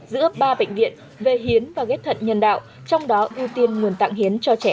giữa ba bệnh viện về hiến và ghét thận nhân đạo trong đó ưu tiên nguồn tặng hiến cho trẻ em